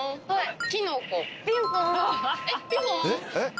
はい。